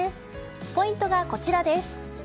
ポイントがこちらです。